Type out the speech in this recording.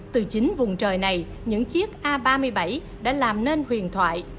từ chính vùng trời này những chiếc a ba mươi bảy đã làm nên huyền thoại